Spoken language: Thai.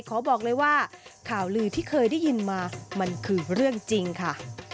ขอบอกเลยว่าข่าวลือที่เคยได้ยินมามันคือเรื่องจริงค่ะ